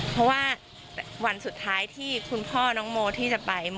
เพราะว่าวันสุดท้ายที่คุณพ่อน้องโมที่จะไป